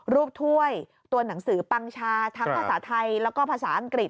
ถ้วยตัวหนังสือปังชาทั้งภาษาไทยแล้วก็ภาษาอังกฤษ